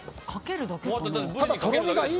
かけるだけかな。